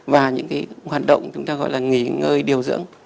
và những cái hoạt động chúng ta gọi là nghỉ ngơi điều dưỡng